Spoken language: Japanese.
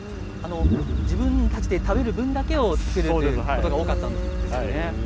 自分たちだけで食べる分を作ることが多かったんですね。